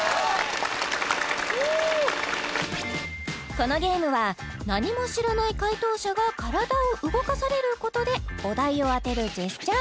このゲームは何も知らない解答者が体を動かされることでお題を当てるジェスチャー